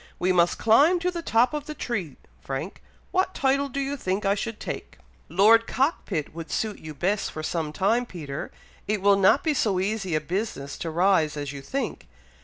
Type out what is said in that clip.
"We must climb to the top of the tree, Frank! What title do you think I should take?" "Lord Cockpit would suit you best for some time, Peter! It will not be so easy a business to rise as you think.